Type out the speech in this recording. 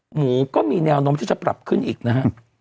หมูก็มีแนวโน้มที่จะปรับขึ้นอีกนะฮะ